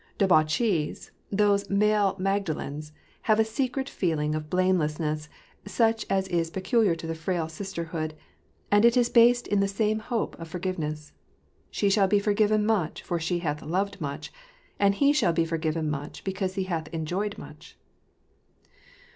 Debauchees, those male Magdalens, have a secret feeling of blamelessness, such as is peculiar to the frail sisterhood ; and it is based on the same hope of forgiveness. " She shall be for given much, for she hath loved much ; and he shall be forgiven much, because he hath enjoyed much."